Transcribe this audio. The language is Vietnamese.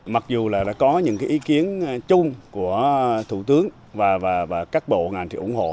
mặc dù có những ý kiến chung của thủ tướng và các bộ ngành ủng hộ